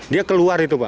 dia keluar itu pak